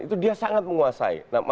itu dia sangat menguasai